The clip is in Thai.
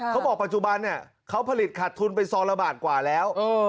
เขาบอกว่าปัจจุบันเนี่ยเขาผลิตขาดทุนไปส้นละบาทกว่าแล้ว